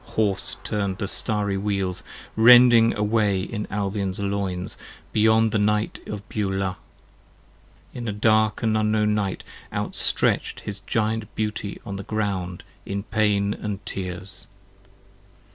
Hoarse turn'd the Starry Wheels, rending a way in Albion's Loins 45 Beyond the Night of Beulah. In a dark & unknown Night, 46 Outstretch'd his Giant beauty on the ground in pain & tears.